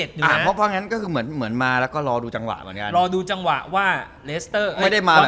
จำแมนซิตี้ถือว่าเรก